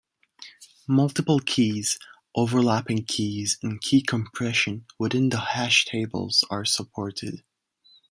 Multiple keys, overlapping keys and key compression within the hash tables are supported.